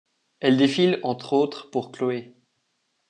Elle défile, entre autres, pour Chloé.